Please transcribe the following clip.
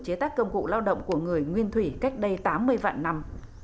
chế tác công cụ lao động của người nguyên thủy cách đây tám mươi vạn năm